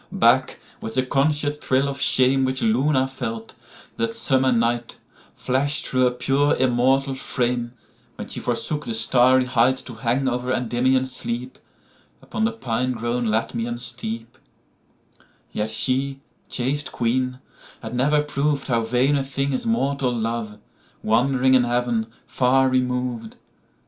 Back, with the conscious thrill of shameWhich Luna felt, that summer night, Flash through her pure immortal frame, When she forsook the starry heightTo hang over Endymion's sleepUpon the pine grown Latmian steep;—Yet she, chaste Queen, had never prov'dHow vain a thing is mortal love, Wandering in Heaven, far remov'd.